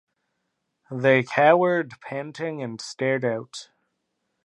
They cowered panting and stared out.